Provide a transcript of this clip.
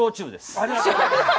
ありがとうございます。